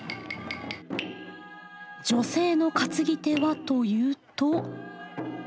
女性の担ぎ手はというと。